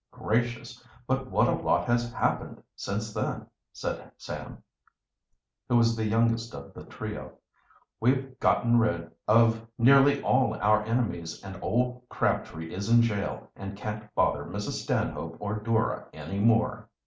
"Gracious! but what a lot has happened since then," said Sam, who was the youngest of the trio. "We've gotten rid of nearly all of our enemies, and old Crabtree is in jail and can't bother Mrs. Stanhope or Dora any more."